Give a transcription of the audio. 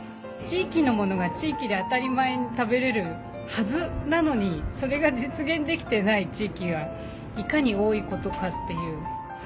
地域のものが地域で当たり前に食べれるはずなのにそれが実現できてない地域がいかに多いことかっていう。